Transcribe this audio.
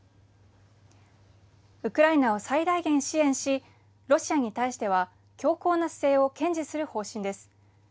ウクライナを最大限支援しロシアに対しては強硬な姿勢を堅持する方針です。